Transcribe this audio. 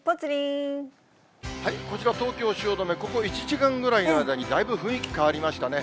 こちら東京・汐留、ここ１時間ぐらいの間に、だいぶ雰囲気変わりましたね。